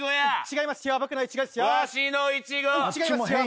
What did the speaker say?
違いますよ。